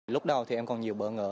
lúc đầu thì em còn nhiều bỡ ngỡ